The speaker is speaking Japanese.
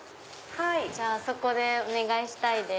じゃあそこでお願いしたいです。